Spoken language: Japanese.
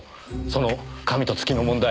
その紙と月の問題